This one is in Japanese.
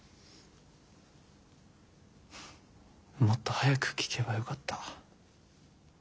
もっと早く聞けばよかった。